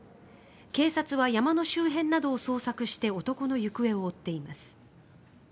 警察は山の周辺などを捜索して男の行方を追っています。